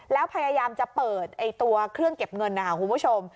แล้วพยายามจะเปิดตัวเครื่องเก็บเงินนะคะคุณผู้ชม